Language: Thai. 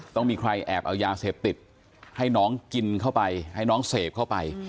ต้องมีใครแอบเอายาเสพติดให้น้องกินเข้าไปให้น้องเสพเข้าไป